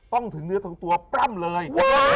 ต้องถึงเนื้อทั้งตัวปร่ำเลย